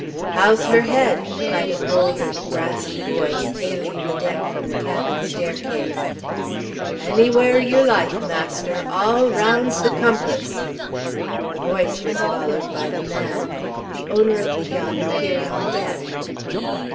"How's her head?" cried a bold and brassy voice, hailing the deck from the cabin staircase. "Anywhere you like, master; all round the compass." The voice was followed by the man. The owner of the yacht appeared on deck.